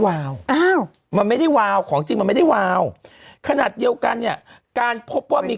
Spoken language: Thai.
วาวอ้าวมันไม่ได้วาวของจริงมันไม่ได้วาวขนาดเดียวกันเนี่ยการพบว่ามี